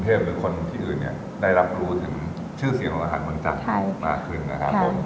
ทุกคนจุดต่อไปได้รับรู้ถึงชื่อเสียงของประหารเมืองจักรมาแล้ว